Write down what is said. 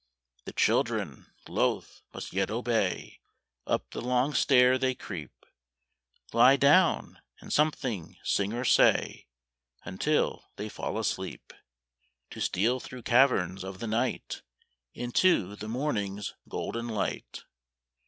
The children, loath, must yet obey; Up the long stair they creep; Lie down, and something sing or say Until they fall asleep, To steal through caverns of the night Into the morning's golden light.